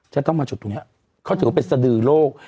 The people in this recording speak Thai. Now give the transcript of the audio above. จะต้องมาจุดตรงนี้เขาถือว่าเป็นสดือโลก